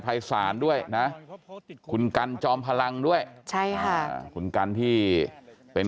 ภัยศาลด้วยนะคุณกันจอมพลังด้วยใช่ค่ะคุณกันที่เป็น